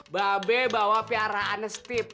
pak be bawa piaraan steve